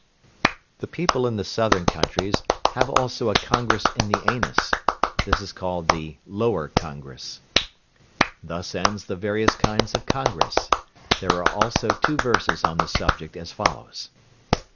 The people in the Southern countries have also a congress in the anus, that is called the "lower congress." Thus ends the various kinds of congress. There are also two verses on the subject as follows.